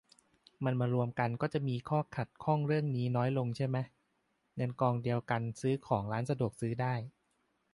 มันมารวมกันก็จะมีข้อติดขัดเรื่องนี้น้อยลงใช่มะ เงินกองเดียวกันซื้อของร้านสะดวกซื้อได้